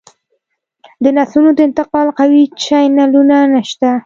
د نسلونو د انتقال قوي چینلونه نشته